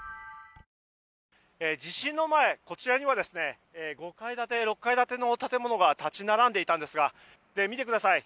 地震の前、こちらには５階建て、６階建ての建物が立ち並んでいたんですが見てください。